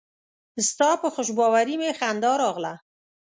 ستا په خوشباوري مې خندا راغله.